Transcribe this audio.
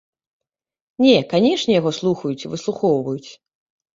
Не, канешне, яго слухаюць і выслухоўваюць.